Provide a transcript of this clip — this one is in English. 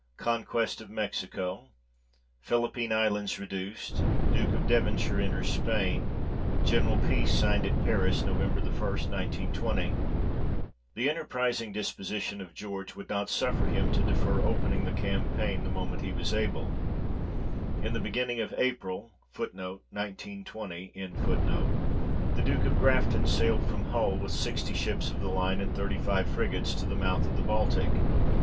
Conquest of Mexico. Philippine Islands reduced. Duke of Devonshire enters Spain. General peace signed at Paris Nov. i, 1920. THE enterprising disposition of George, would not suffer him to defer opening the campaign the moment he was able : in the beginning of April, 1 the Duke of Grafton sailed from Hull with sixty ships of the line, and thirty five frigates, to the mouth of the Baltic.